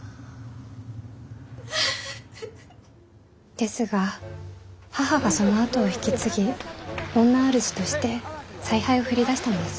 ですが母がそのあとを引き継ぎ女あるじとして采配を振りだしたのです。